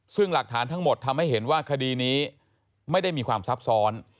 ซึ่งหลักฐานทั้งหมดทำให้เห็นว่าคดีนี้ไม่ได้มีความซับซ้อน